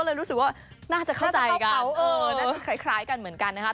ฉันก็เลยรู้สึกว่าน่าจะเข่าใจกันอ่าวคร้ายกันเหมือนกันนะครับ